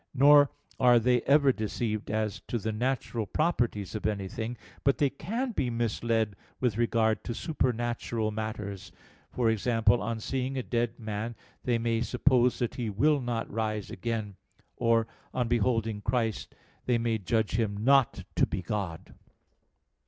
Nor are they ever deceived as to the natural properties of anything; but they can be misled with regard to supernatural matters; for example, on seeing a dead man, they may suppose that he will not rise again, or, on beholding Christ, they may judge Him not to be God.